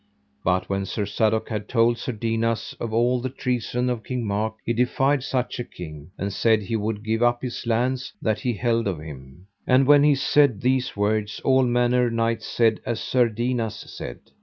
But when Sir Sadok had told Sir Dinas of all the treason of King Mark he defied such a king, and said he would give up his lands that he held of him. And when he said these words all manner knights said as Sir Dinas said.